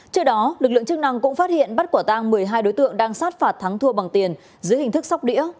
trước đó lực lượng chức năng cũng phát hiện bắt quả tang một mươi hai đối tượng đang sát phạt thắng thua bằng tiền dưới hình thức sóc đĩa